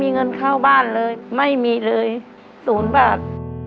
เงินเข้าบ้านเลยไม่มีเลย๐บาท